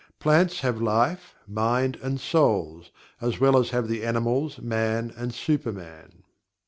Plants have life, mind and "souls," as well as have the animals, man, and super man.